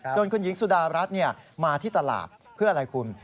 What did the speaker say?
ส่วนคุณหญิงสุดารัฐมาที่ตลาดเพื่ออะไรคุณ